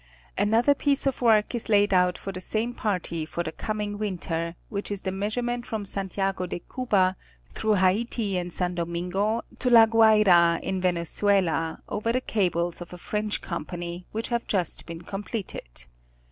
Another piece of work is laid out for the same party for the coming winter, which is the measurement from Santiago de Cuba, through Hayti and San Domingo to La Guayra in Venezuela, over the cables of a French company, which have just been com pleted.